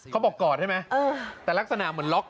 บอกกอดใช่ไหมแต่ลักษณะเหมือนล็อก